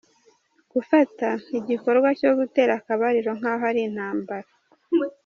Gufata igikorwa cyo gutera akabariro nk’aho ari intambara.